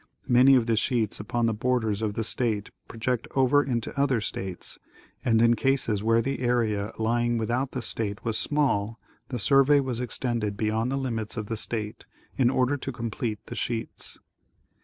Many of the sheets upon the borders of the state project over into other states, and, in cases where the area lying without the state was small, the survey was extended beyond the limits of the state, in order to complete the sheets.